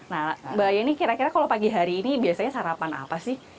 nah mbak yeni kira kira kalau pagi hari ini biasanya sarapan apa sih